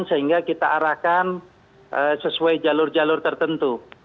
jadi kita arahkan sesuai jalur jalur tertentu